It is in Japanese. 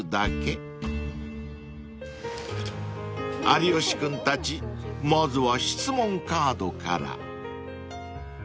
［有吉君たちまずは質問カードから］